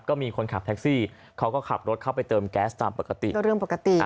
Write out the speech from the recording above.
ก็มีคนขับแท็กซี่เขาก็ขับรถเข้าไปเติมแก๊สตามปกติ